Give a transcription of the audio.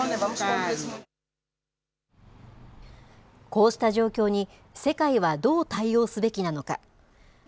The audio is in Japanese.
こうした状況に、世界はどう対応すべきなのか。